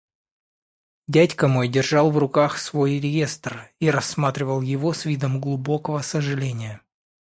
Дядька мой держал в руках свой реестр и рассматривал его с видом глубокого сожаления.